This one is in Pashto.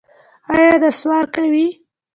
ایا نسوار کوئ؟